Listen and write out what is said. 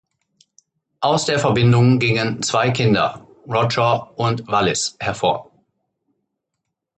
Aus der Verbindung gingen zwei Kinder, Roger und Wallis, hervor.